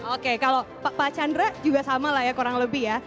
oke kalau pak chandra juga sama lah ya kurang lebih ya